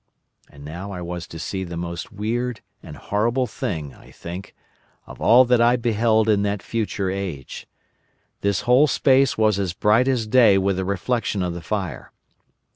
"And now I was to see the most weird and horrible thing, I think, of all that I beheld in that future age. This whole space was as bright as day with the reflection of the fire.